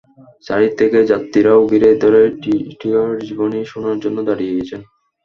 চারিদিক থেকে যাত্রীরাও ঘিরে ধরে টিটিইর জীবনী শোনার জন্য দাঁড়িয়ে গেছেন।